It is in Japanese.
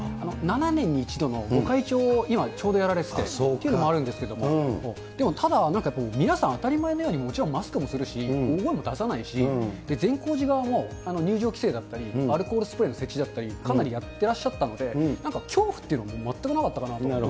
７年に１度の御開帳、今ちょうどやられててというのもあるんですけども、ただなんか、やっぱ皆さん、当たり前のようにもちろんマスクもするし、大声も出さないし、ぜんこう寺側も入場規制だったり、アルコールスプレーの設置だったり、かなりやってらっしゃったので、なんか恐怖というのは全くななるほど。